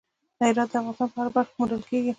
هرات د افغانستان په هره برخه کې موندل کېږي.